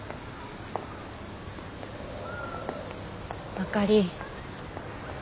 あかり。